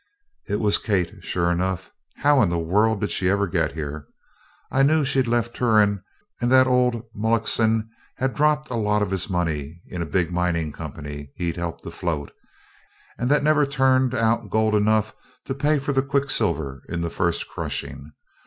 It was Kate, sure enough! How in the world did ever she get here? I knew she'd left the Turon, and that old Mullockson had dropped a lot of his money in a big mining company he'd helped to float, and that never turned out gold enough to pay for the quicksilver in the first crushing.